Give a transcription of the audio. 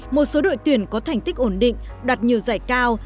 một số đội tuyển có thành tích ổn định đoạt nhiều giải cao